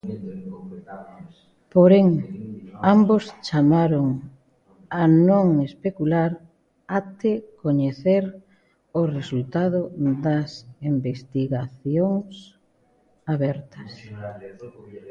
Porén, ambos chamaron a non especular até coñecer o resultado das investigacións abertas.